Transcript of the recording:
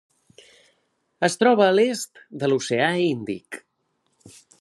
Es troba a l'est de l'Oceà Índic.